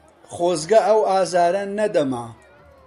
خۆزگە ئەو ئازارە نەدەما.